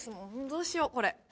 どうしようこれ。